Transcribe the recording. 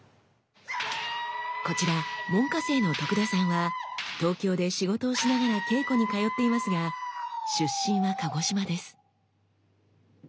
こちら門下生の徳田さんは東京で仕事をしながら稽古に通っていますが出身は鹿児島です。